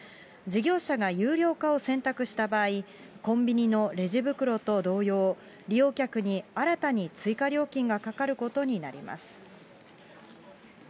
事業者が有料化を選択した場合、コンビニのレジ袋と同様、利用客に新たに追加料金がかかることになります。